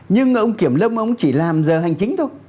nhưng ông kiểm lâm ông chỉ làm giờ hành chính thôi